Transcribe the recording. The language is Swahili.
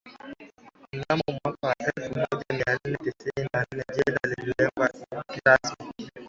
Mnamo mwaka elfu moja mia nane tisini na nne jela ilijengwa rasmi